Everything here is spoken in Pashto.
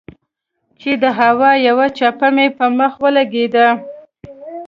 چې د هوا يوه چپه مې پۀ مخ ولګېده